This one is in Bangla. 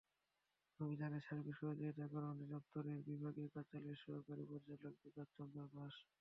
অভিযানে সার্বিক সহযোগিতা করেন অধিদপ্তরের বিভাগীয় কার্যালয়ের সহকারী পরিচালক বিকাশ চন্দ্র দাস।